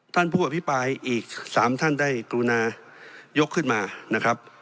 ท่านผู้อภิปรายอีก๓ท่านได้กรุณายกขึ้นมานะครับ